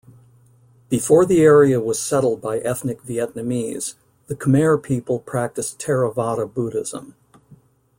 Before the area was settled by ethnic Vietnamese, the Khmer people practiced Theravada Buddhism.